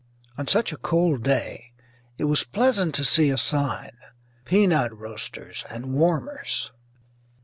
On such a cold day it was pleasant to see a sign "Peanut Roasters and Warmers."